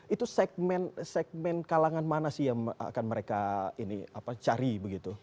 itu segmen kalangan mana sih yang akan mereka cari begitu